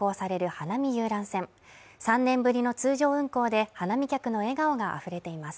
花見遊覧船、３年ぶりの通常運航で、花見客の笑顔があふれています。